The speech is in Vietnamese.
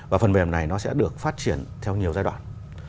và phần mềm này nó sẽ được phát triển theo nhiều giai đoạn